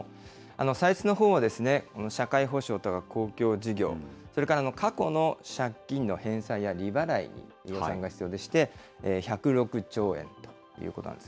歳出のほうはこの社会保障とか公共事業、それから過去の借金の返済や利払いの予算が必要でして、１０６兆円ということなんです。